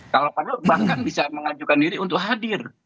kalau perlu bahkan bisa mengajukan diri untuk hadir